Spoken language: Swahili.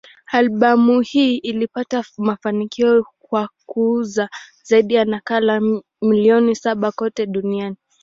Albamu hii ilipata mafanikio kwa kuuza zaidi ya nakala milioni saba kote duniani.